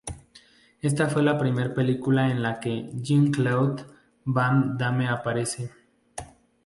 Esta fue la primera película en la que Jean-Claude Van Damme aparece.